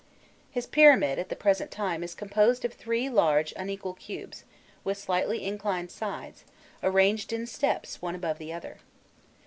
His pyramid, at the present time, is composed of three large unequal cubes with slightly inclined sides, arranged in steps one above the other.